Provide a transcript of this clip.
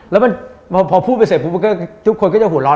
แล้วพอพูดไปเสร็จทุกคนก็จะหัวร้อน